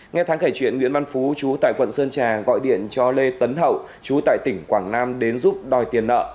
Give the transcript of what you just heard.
nghe tháng kể chuyện nguyễn văn phú chú tại quận sơn trà gọi điện cho lê tấn hậu chú tại tỉnh quảng nam đến giúp đòi tiền nợ